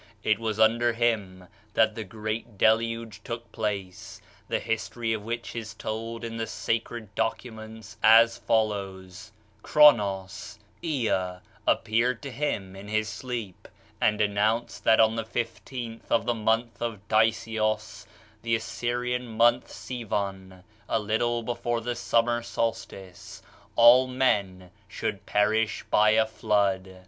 It was under him that the Great Deluge took place, the history of which is told in the sacred documents as follows: Cronos (Ea) appeared to him in his sleep, and announced that on the fifteenth of the month of Daisios (the Assyrian month Sivan a little before the summer solstice) all men should perish by a flood.